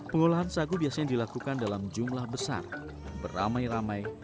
pengolahan sagu biasanya dilakukan dalam jumlah besar beramai ramai